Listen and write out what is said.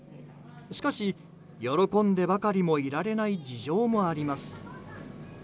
しかし、喜んでばかりもいられない事情もあります。